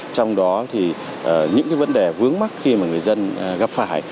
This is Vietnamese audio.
trong đó thì những vấn đề vướng mắt khi mà người dân gặp phải